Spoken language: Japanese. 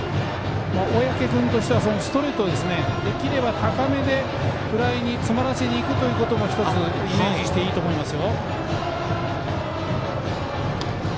小宅君としてはできればストレートを高めでフライに詰まらせにいくということもイメージしていいと思います。